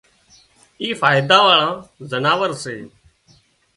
اي فائيڌا واۯان زناور سي